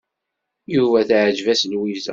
Yuba teɛjeb-as Lwiza.